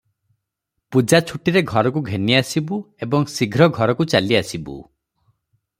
ପୂଜା ଛୁଟିରେ ଘରକୁ ଘେନିଆଣିବୁ ଏବଂ ଶୀଘ୍ର ଘରକୁ ଚାଲିଆସିବୁ ।